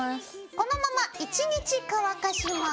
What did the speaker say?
このまま１日乾かします。